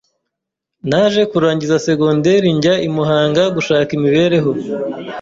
naje kurangiza secondaire njya I muhanga gushaka imibereho